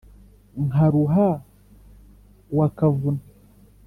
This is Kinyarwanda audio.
nkaruha uwa kavuna